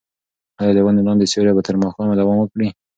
ایا د ونې لاندې سیوری به تر ماښامه دوام وکړي؟